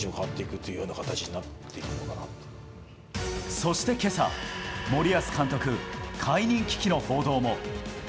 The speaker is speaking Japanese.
そして今朝、森保監督解任危機の報道も。